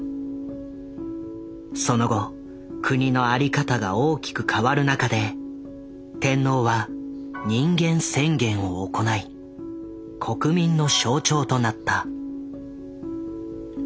その後国の在り方が大きく変わる中で天皇は人間宣言を行い国民の象徴となった。